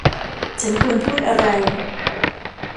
ฉันควรพูดอะไร